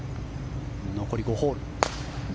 残り５ホール。